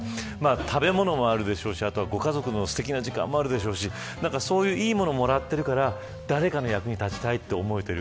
食べ物もあるでしょうしご家族のすてきな時間もあるでしょうしそんないいものをもらっているから誰かの役に立ちたいという思い